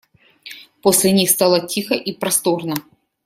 После них стало тихо и просторно.